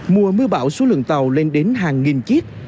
mùa mưa bão số lượng tàu lên đến hàng nghìn chiếc